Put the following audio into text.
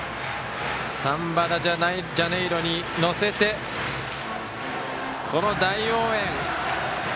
「サンバ・デ・ジャネイロ」に乗せて、この大応援！